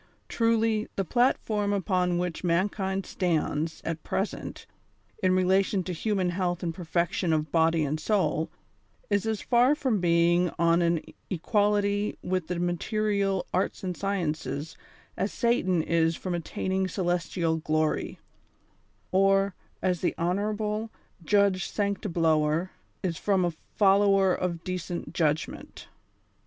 Truly, the platform upon which 142 THE SOCIxVL WAR OP 1900; OR, mankind stands at present, in relation to human health and perfection of body and soul, is as far from being on an equality with the material arts and sciences as Satan is from attaining celestial glory; or, as the honorable (':*) Judge Sanctiblovver is from a follower of decent judgment.